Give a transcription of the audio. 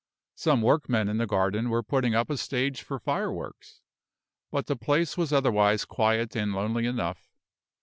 Some workmen in the garden were putting up a stage for fireworks, but the place was otherwise quiet and lonely enough.